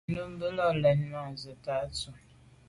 Nǔmmbə̂ nə làʼdə̌ mα̂nzə mɛ̀n tâ Dʉ̌’.